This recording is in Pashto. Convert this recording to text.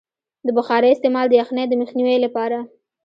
د بخارۍ استعمال د یخنۍ د مخنیوي لپاره دی.